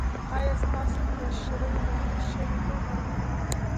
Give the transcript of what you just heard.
ایا ستاسو مشري منل شوې نه ده؟